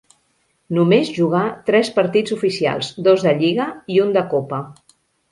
Només jugà tres partits oficials, dos de lliga i un de copa.